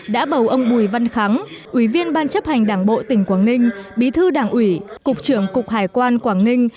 đã bầu ông bùi văn khắng ubnd bí thư đảng ủy cục trưởng cục hải quan quảng ninh